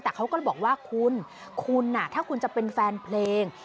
แต่เขาก็เลยบอกว่าคุณคุณถ้าคุณจะเป็นแฟนเพลง